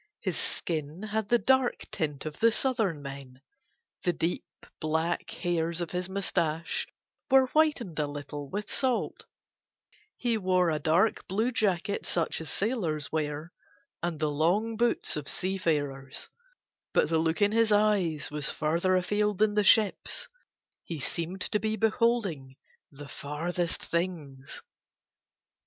His skin had the dark tint of the southern men: the deep black hairs of his moustache were whitened a little with salt; he wore a dark blue jacket such as sailors wear, and the long boots of seafarers, but the look in his eyes was further afield than the ships, he seemed to be beholding the farthest things.